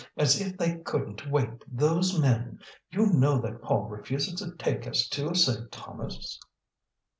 "As if they couldn't wait, those men! You know that Paul refuses to take us to Saint Thomas."